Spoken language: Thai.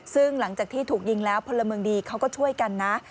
ซึ่งหลังจากที่ถูกยิงแล้วพลเมืองดีเขาก็ช่วยกันนะ